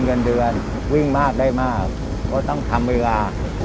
กินกันเดือนวิ่งมากได้มากก็ต้องทำเวลา